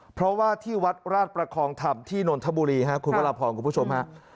เพราะว่าที่วัดราชประคองธรรมที่นนทบุรีครับคุณพระราพรคุณผู้ชมฮะ